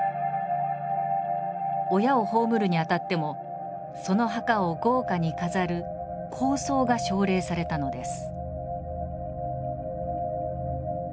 親を葬るにあたってもその墓を豪華に飾る「厚葬」が奨励されたのです。